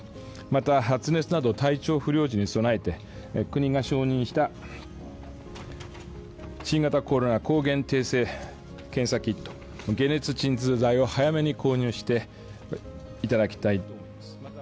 また発熱など体調不良時に備えて、国が承認した新型コロナ抗原定性検査キット、解熱鎮痛剤を早めに購入していただきたい。